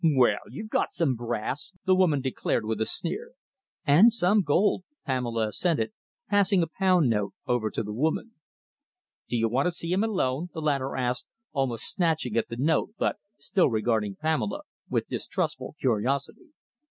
"Well, you've got some brass!" the woman declared, with a sneer. "And some gold," Pamela assented, passing a pound note over to the woman. "Do you want to see him alone?" the latter asked, almost snatching at the note, but still regarding Pamela with distrustful curiosity.